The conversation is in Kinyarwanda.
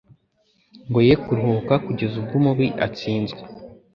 ngo ye kuruhuka kugeza ubwo umubi atsinzwe